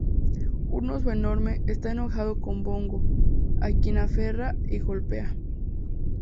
Un oso enorme, está enojado con Bongo, a quien aferra y golpea.